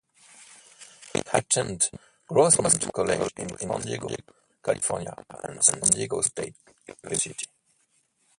He attended Grossmont College in San Diego, California and San Diego State University.